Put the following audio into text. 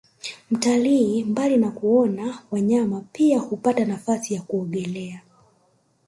Mtalii mbali ya kuona wanyama pia huapata nafasi ya kuogelea